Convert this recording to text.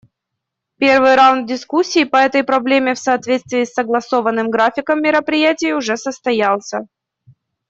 Первый раунд дискуссий по этой проблеме, в соответствии с согласованным графиком мероприятий, уже состоялся.